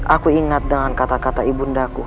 aku ingat dengan kata kata ibu undaku